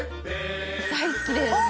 大好きです！